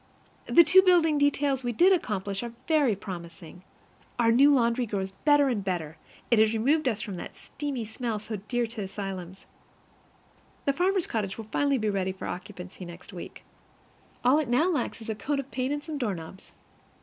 The two building details we did accomplish are very promising. Our new laundry grows better and better; it has removed from us that steamy smell so dear to asylums. The farmer's cottage will finally be ready for occupancy next week. All it now lacks is a coat of paint and some doorknobs.